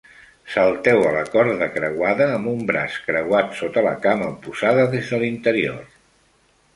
Salteu a la corda creuada amb un braç creuat sota la cama oposada des de l'interior.